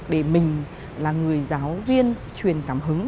để mình là người giáo viên truyền cảm hứng